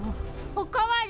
お代わり！